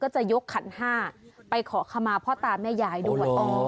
จะยกขันห้าไปขอขมาพ่อตาแม่ยายด้วย